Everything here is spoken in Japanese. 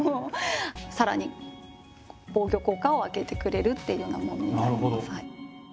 さらに防御効果を上げてくれるっていうようなものになります。